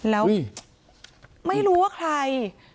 แล้วไม่รู้ว่าใคร